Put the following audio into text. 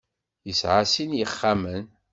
Yesɛa sin n yixxamen.